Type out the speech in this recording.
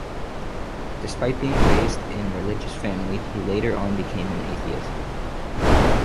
Despite being raised in religious family, he later on became an atheist.